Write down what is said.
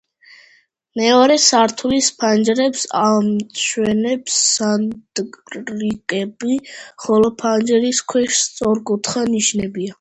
მეორე სართულის ფანჯრებს ამშვენებს სანდრიკები, ხოლო ფანჯრის ქვეშ სწორკუთხა ნიშებია.